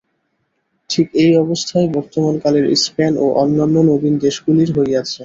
ঠিক এই অবস্থাই বর্তমান কালের স্পেন ও অন্যান্য নবীন দেশগুলির হইয়াছে।